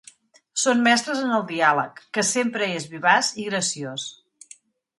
Són mestres en el diàleg, que és sempre vivaç i graciós.